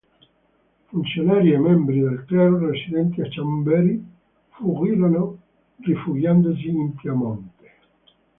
Funzionari e membri del clero residenti a Chambéry, fuggirono rifugiandosi in Piemonte.